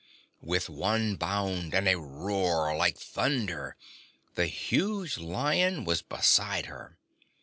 With one bound and a roar like thunder the huge Lion was beside her.